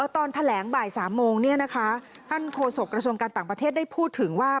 ตอนแถลงบ่าย๓โมงท่านโฆษกระทรวงการต่างประเทศได้พูดถึงว่า